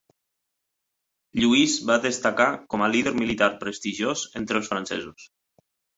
Lluís va destacar com a líder militar prestigiós entre els francesos.